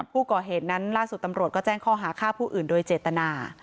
ผู้ก่อเหตุนั้นล่าสุดตำรวจก็แจ้งข้อหาฆ่าผู้อื่นโดยเจตนา